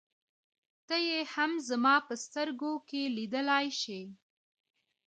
ته يې هم زما په سترګو کې لیدلای شې.